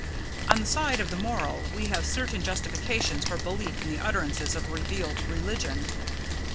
On the side of the moral, we have certain justification for belief in the utterances of revealed religion.